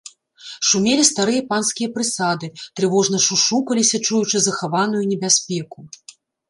Шумелі старыя панскія прысады, трывожна шушукаліся, чуючы захаваную небяспеку.